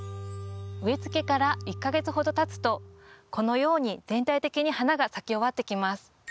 植えつけから１か月ほどたつとこのように全体的に花が咲き終わってきます。